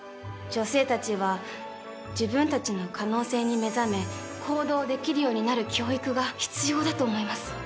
女性たちは自分たちの可能性に目覚め行動できるようになる教育が必要だと思います。